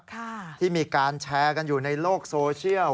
ค่ะที่มีการแชร์กันอยู่ในโลกโซเชียล